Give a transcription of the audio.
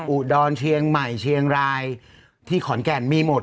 อุดรเชียงใหม่เชียงรายที่ขอนแก่นมีหมด